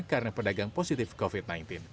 karena pedagang positif covid sembilan belas